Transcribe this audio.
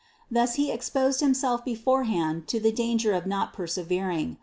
Thus he exposed himself beforehand to the danger of not perse vering.